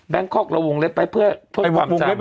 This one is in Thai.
แบงคอกเราวงเล็บไปเพื่อพูดความจำ